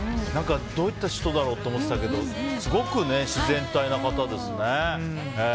どういった人だろうと思っていたけどすごく自然体な方ですね。